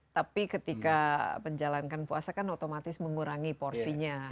tapi ketika menjalankan puasa kan otomatis mengurangi porsinya